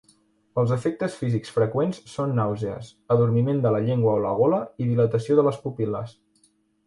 Els efectes físics freqüents són nàusees, adormiment de la llengua o la gola i dilatació de les pupil·les.